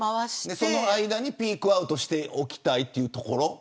その間にピークアウトしておきたいというところ。